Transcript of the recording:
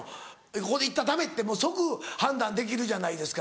ここで行ったらダメって即判断できるじゃないですか。